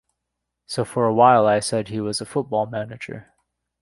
So for a while I said he was a football manager.